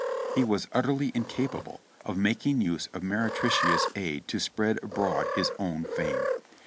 He was utterly incapable of making use of meretricious aid to spread abroad his own fame.